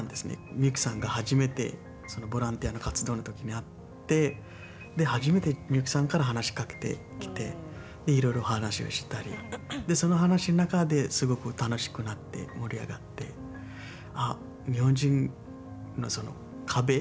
ミユキさんが初めてボランティアの活動の時に会って初めてミユキさんから話しかけてきていろいろ話をしたりその話の中ですごく楽しくなって盛り上がって、あ、日本人の壁？